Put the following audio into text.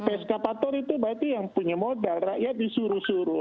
eskavator itu berarti yang punya modal rakyat disuruh suruh